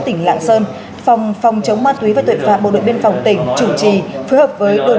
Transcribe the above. tỉnh lạng sơn phòng phòng chống ma túy và tội phạm bộ đội biên phòng tỉnh chủ trì phối hợp với đồn